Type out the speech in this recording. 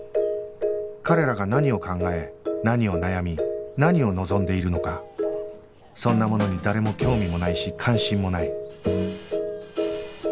彼らが何を考え何を悩み何を望んでいるのかそんなものに誰も興味もないし関心もない